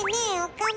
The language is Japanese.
岡村。